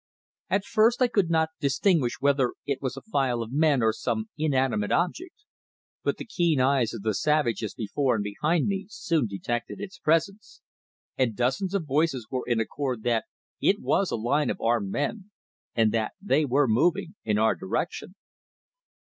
At first I could not distinguish whether it was a file of men or some inanimate object, but the keen eyes of the savages before and behind me soon detected its presence, and dozens of voices were in accord that it was a line of armed men, and that they were moving in our direction.